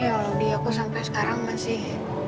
ya allah di aku sampai sekarang masih